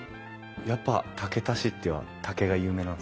やっぱ竹田市って竹が有名なんですか？